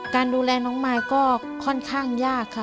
การดูแลน้องมายก็ค่อนข้างยากค่ะ